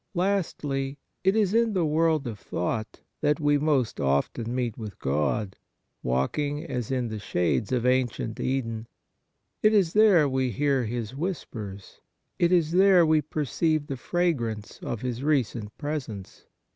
Lastly, it is in the world of thought that we most often meet with God, walking as in the shades of ancient Eden. It is there we hear His whispers. It is there we per ceive the fragrance of His recent presence.